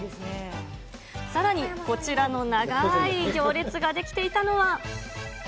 さらにこちらの長い行列が出来ていたのは。